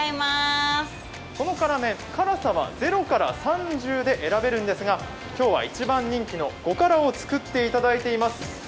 この辛麺、辛さは０から３０で選べるんですが今日は一番人気の５辛を作っていただいています。